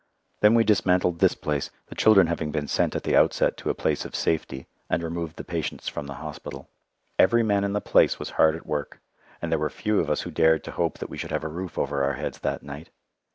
Then we dismantled this place the children having been sent at the outset to a place of safety and removed the patients from the hospital. Every man in the place was hard at work, and there were few of us who dared to hope that we should have a roof over our heads that night.